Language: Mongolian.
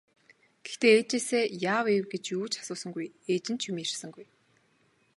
Гэхдээ ээжээсээ яав ийв гэж юу ч асуусангүй, ээж нь ч юм ярьсангүй.